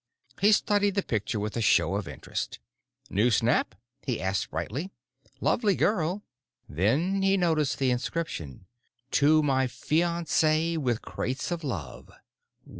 He studied the picture with a show of interest. "New snap?" he asked brightly. "Lovely girl——" Then he noticed the inscription: _To my fiance, with crates of love.